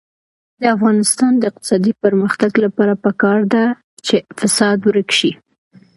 د افغانستان د اقتصادي پرمختګ لپاره پکار ده چې فساد ورک شي.